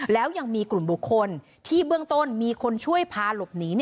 แล้วยังมีกลุ่มบุคคลที่เบื้องต้นมีคนช่วยพาหลบหนี